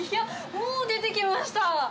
もう出てきました。